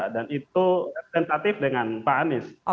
dan itu tentatif dengan pak anies